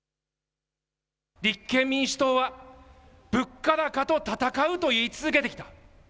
立憲民主党は物価高と戦うと言い続けてきた。